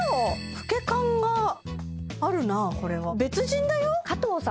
老け感があるなこれは別人だよ？